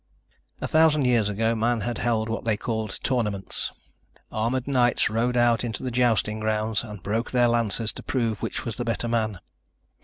A thousand years ago men had held what they called tournaments. Armored knights rode out into the jousting grounds and broke their lances to prove which was the better man.